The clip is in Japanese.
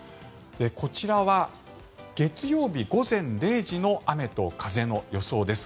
こちらは月曜日午前０時の雨と風の予想です。